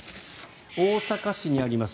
大阪市にあります